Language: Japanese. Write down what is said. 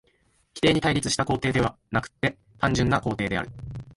否定に対立した肯定でなくて単純な肯定である。